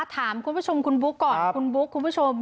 ถามคุณผู้ชมคุณบุ๊คก่อนคุณบุ๊คคุณผู้ชม